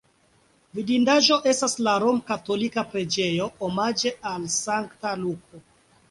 Vidindaĵo estas la romkatolika preĝejo omaĝe al Sankta Luko.